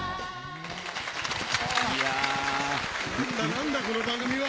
なんだ、この番組は。